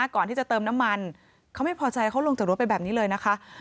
ก่อนที่จะเติมน้ำมันเขาไม่พอใจเขาลงจากรถไปแบบนี้เลยนะคะ